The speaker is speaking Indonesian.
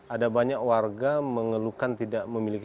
ada banyak warga mengeluhkan tidak memiliki